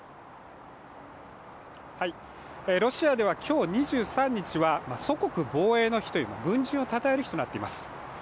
ロシアでは今日２３日は、祖国防衛の日という軍人をたたえる日となっています。